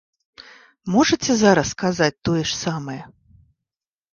Можаце зараз сказаць тое ж самае?